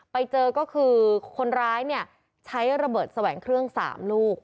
ไปเจอก็คือคนร้ายเนี่ยใช้ระเบิดแสวงเครื่อง๓ลูก